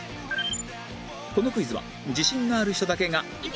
このクイズは自信がある人だけが